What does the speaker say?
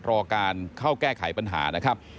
รอการเข้าแก้ไขปัญหานะครับ